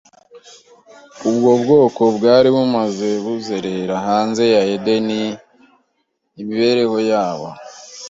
ubwo bwoko bwari bumaze buzerera hanze ya Edeni kandbaratakaje imibereho yabo